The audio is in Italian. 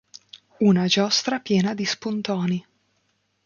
Una giostra piena di spuntoni.